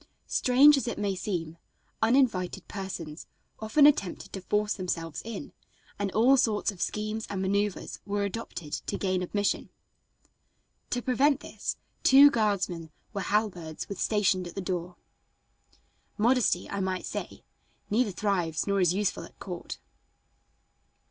Strange as it may seem, uninvited persons often attempted to force themselves in, and all sorts of schemes and maneuvers were adopted to gain admission. To prevent this, two guardsmen with halberds were stationed at the door. Modesty, I might say, neither thrives nor is useful at court.